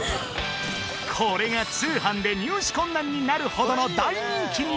これが通販で入手困難になるほどの大人気に！